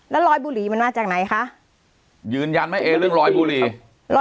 แล้วรอยบุหรี่มันมาจากไหนคะยืนยันไหมเอเรื่องรอยบุหรี่